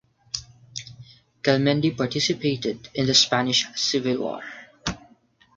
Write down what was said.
Kelmendi participated in the Spanish Civil War.